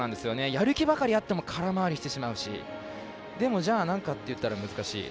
やる気ばかりあっても空回りしてしまうしでも、なんかっていったら難しい。